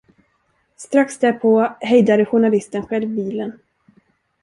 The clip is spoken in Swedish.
Strax därpå hejdade journalisten själv bilen.